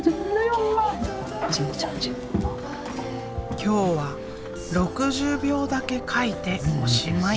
今日は６０秒だけ描いておしまい。